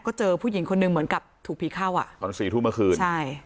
ก็เจอผู้หญิงคนหนึ่งเหมือนกับถูกผีเข้าอ่ะตอนสี่ทุ่มเมื่อคืนใช่